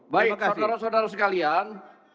baik saudara saudara sekalian